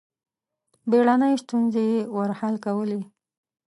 بېړنۍ ستونزې یې ور حل کولې.